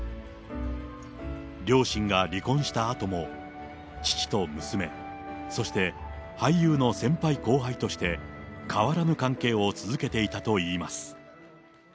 両親が離婚したあとも、父と娘、そして俳優の先輩後輩として、変わらぬ関係を続けていたといいます。